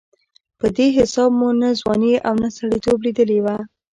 په دې حساب مو نه ځواني او نه سړېتوب لېدلې وه.